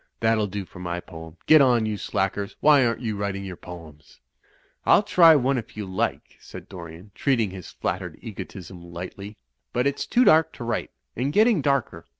That'll do for my poem. Get on, you slackers; why aren't you writing your poems?" *T'll try one if you like," said Dorian, treating his flattered egotism lightly. "But it's too dark to write; and getting darker."